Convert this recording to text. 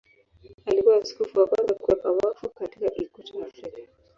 Alikuwa askofu wa kwanza kuwekwa wakfu katika Ikweta ya Afrika.